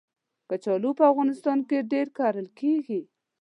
کچالو په افغانستان کې ډېر کرل کېږي